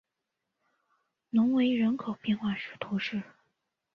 隆维人口变化图示